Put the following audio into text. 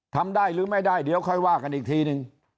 ทำได้หรือไม่ได้เดี๋ยวค่อยว่ากันอีกทีนึง